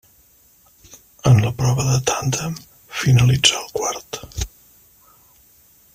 En la prova de tàndem finalitzà el quart.